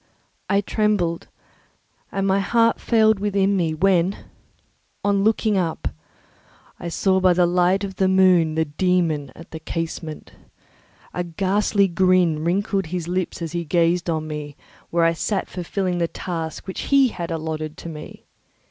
I trembled and my heart failed within me, when, on looking up, I saw by the light of the moon the dæmon at the casement. A ghastly grin wrinkled his lips as he gazed on me, where I sat fulfilling the task which he had allotted to me.